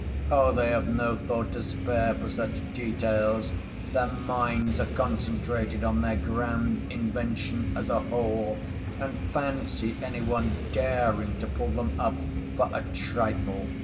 Oh, they have no thought to spare for such details, their minds are concentrated on their grand invention as a whole, and fancy any one daring to pull them up for a trifle!